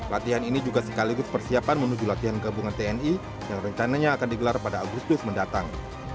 latihan ini juga sekaligus persiapan menuju latihan gabungan tni yang rencananya akan digelar pada agustus mendatang